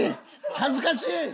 恥ずかしい！